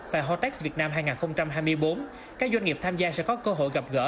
tại hotex việt nam hai nghìn hai mươi bốn các doanh nghiệp tham gia sẽ có cơ hội gặp gỡ